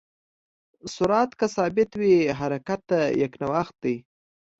سرعت که ثابت وي، حرکت یکنواخت دی.